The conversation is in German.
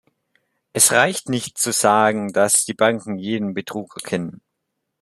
Es reicht nicht, zu sagen, dass die Banken jeden Betrug erkennen.